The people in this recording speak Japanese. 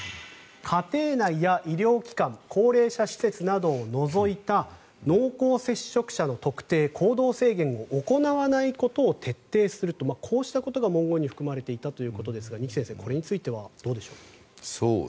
家庭内や医療機関高齢者施設などを除いた濃厚接触者の特定行動制限を行わないことを徹底するとこうしたことが文言に含まれていたということですが二木先生、これについてはどうでしょう。